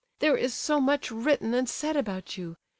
There is so much written and said about you!